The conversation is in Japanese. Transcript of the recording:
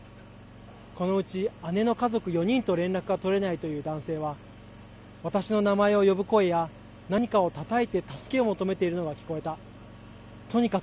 このうち姉の家族４人と連絡が取れないという男性は私の名前を呼ぶ声や何かをたたいて助けを求めているのが聞こえたとにかく